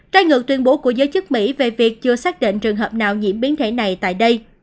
trái ngược tuyên bố của giới chức mỹ về việc chưa xác định trường hợp nào nhiễm biến thể này tại đây